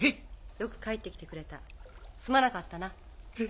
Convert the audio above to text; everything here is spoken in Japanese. よく帰ってきてくれたすまなかったな。へ